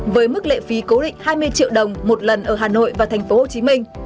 với mức lệ phí cố định hai mươi triệu đồng một lần ở hà nội và thành phố hồ chí minh